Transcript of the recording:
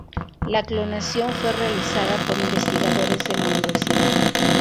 La clonación fue realizada por investigadores de la universidad.